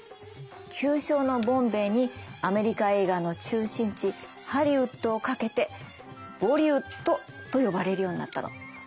旧称のボンベイにアメリカ映画の中心地ハリウッドをかけてボリウッドと呼ばれるようになったの。